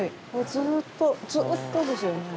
ずっとずっとですよね。